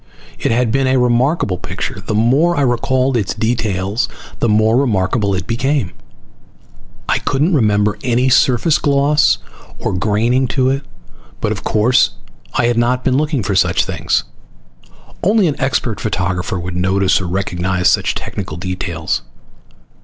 It had been a remarkable picture. The more I recalled its details the more remarkable it became. I couldn't remember any surface gloss or graining to it, but of course I had not been looking for such things. Only an expert photographer would notice or recognize such technical details.